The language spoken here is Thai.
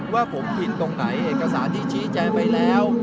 ว่าผมผิดตรงไหนเอกสารที่ชี้แจงไปแล้ว